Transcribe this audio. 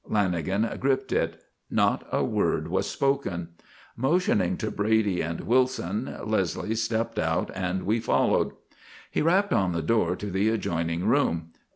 Lanagan gripped it. Not a word was spoken. Motioning to Brady and Wilson, Leslie stepped out and we followed. He rapped on the door to the adjoining room.